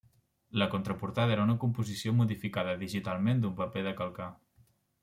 La contraportada era una composició modificada digitalment d'un paper de calcar.